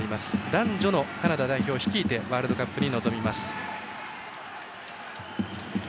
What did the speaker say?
男女のカナダ代表を率いてワールドカップに臨みます。